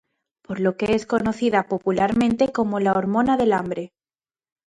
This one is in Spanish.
Por lo que es conocida popularmente como la ″"hormona del hambre.